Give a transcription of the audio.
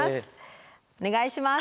お願いします。